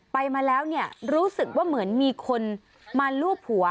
ไปมาแล้วเนี่ยรู้สึกว่าเหมือนมีคนมาลูบหัว